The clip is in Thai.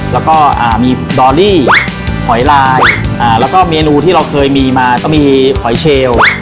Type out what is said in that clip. แล้วก็มีดอรี่หอยลายแล้วก็เมนูที่เราเคยมีมาก็มีหอยเชล